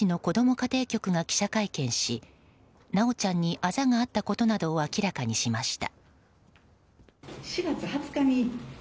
家庭局が記者会見し修ちゃんにあざがあったことなどを明らかにしました。